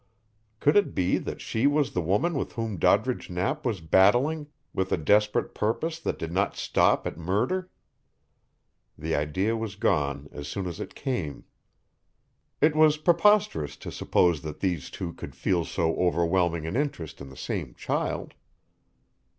Could it be that she was the woman with whom Doddridge Knapp was battling with a desperate purpose that did not stop at murder? The idea was gone as soon as it came. It was preposterous to suppose that these two could feel so overwhelming an interest in the same child.